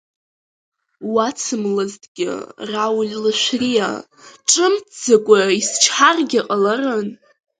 Уацымлазҭгьы Рауль Лашәриа, ҿымҭӡакәа исчҳаргьы ҟаларын.